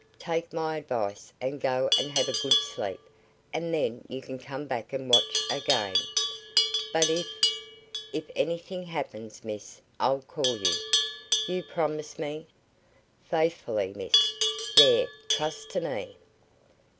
Take my advice, and go and have a good sleep, and then you can come and watch again." "But if " "If anything happens, miss, I'll call you." "You promise me?" "Faithfully, miss. There, trust to me."